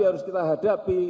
harus kita hadapi